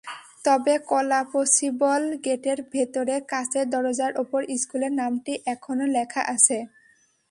তবে কলাপসিবল গেটের ভেতরে কাচের দরজার ওপর স্কুলের নামটি এখনো লেখা আছে।